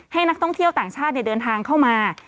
ให้นักท่องเที่ยวต่างชาติเดินทางเข้ามา